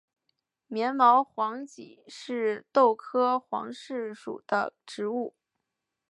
棉毛黄耆是豆科黄芪属的植物。